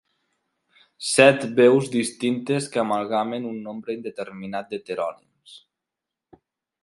Set veus distintes que amalgamen un nombre indeterminat d'heterònims.